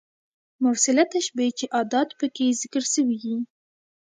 مرسله تشبېه چي ادات پکښي ذکر سوي يي.